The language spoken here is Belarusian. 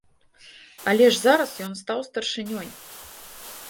Але ж зараз ён стаў старшынёй.